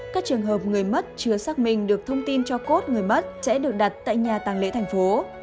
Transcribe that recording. các trường hợp người mất chưa xác minh được thông tin cho cốt người mất sẽ được đặt tại nhà tàng lễ thành phố